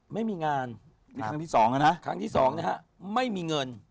ไม่มีงานครั้งที่สองนะครับครั้งที่สองนะครับไม่มีเงิน